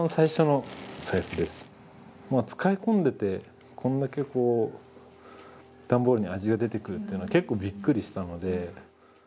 もう使い込んでてこんだけこう段ボールに味が出てくるっていうのは結構びっくりしたので。